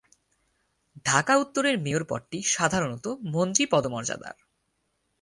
ঢাকা উত্তরের মেয়র পদটি সাধারণত মন্ত্রী পদমর্যাদার।